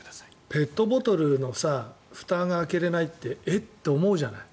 ペットボトルのふたが開けれないってえ？って思うじゃない。